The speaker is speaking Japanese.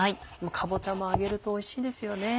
かぼちゃも揚げるとおいしいですよね。